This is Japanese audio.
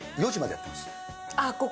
あっ、ここ？